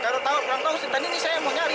kalau tahu kalau tahu tadi ini saya mau nyari